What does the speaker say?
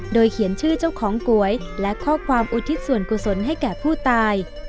โดยเขียนชื่อเจ้าของก๋วยและข้อความอุทิศส่วนกุศลให้แก่ผู้ตาย